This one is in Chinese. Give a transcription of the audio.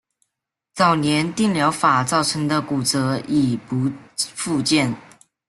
早年电疗法造成的骨折已不复见。